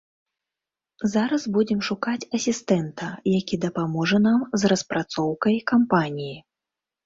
Зараз будзем шукаць асістэнта, які дапаможа нам з распрацоўкай кампаніі.